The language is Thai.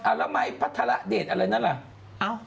แล้วไม้พัทรเดชอะไรนั่นล่ะ